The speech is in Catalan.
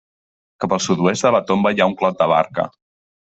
Cap al sud-oest de la tomba hi ha un clot de barca.